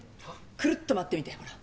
くるっと回ってみてほら。